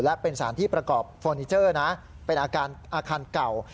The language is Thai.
และเป็นสารที่ประกอบฟอร์นิเจอร์นะเป็นอาคารเก่า